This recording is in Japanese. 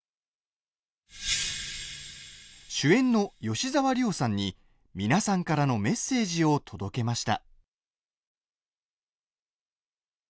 主演の吉沢亮さんに皆さんからのメッセージを届けました。